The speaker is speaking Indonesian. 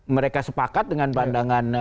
mereka sepakat dengan pandangan